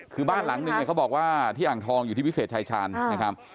คือบ้านหลังนึงเนี่ยเขาบอกว่าที่อ่างทองอยู่ที่พิเศษชายชาญนะครับ